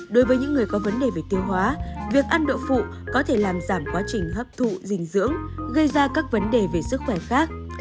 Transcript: đối với những người có vấn đề về tiêu hóa việc ăn độ phụ có thể làm giảm quá trình hấp thụ dinh dưỡng gây ra các vấn đề về sức khỏe khác